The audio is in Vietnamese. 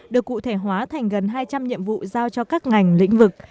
được cụ thể hóa thành gần hai trăm linh nhiệm vụ giao cho các ngành lĩnh vực